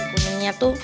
nasi kuningnya tuh legit